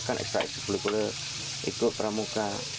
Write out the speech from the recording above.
ya kan ekstra ekstrak puluh puluh ikut pramuka